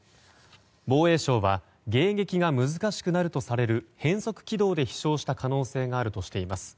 防衛省は迎撃が難しくなるとされる変則軌道で飛翔した可能性があるとしています。